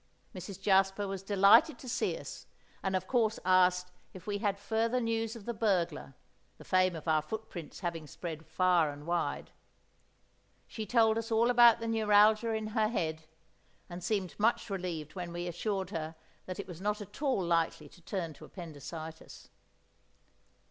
Mrs. Jasper was delighted to see us, and of course asked if we had further news of the burglar, the fame of our footprints having spread far and wide. She told us all about the neuralgia in her head, and seemed much relieved when we assured her that it was not at all likely to turn to appendicitis.